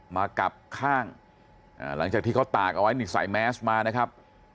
มากลับข้างหลังจากที่เขาตากเอาไว้นี่ใส่แมสมานะครับ